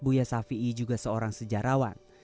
buya shafi'i juga seorang sejarawan